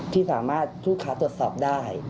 ที่สามารถลูกค้าตรวจสอบได้